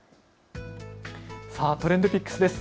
ＴｒｅｎｄＰｉｃｋｓです。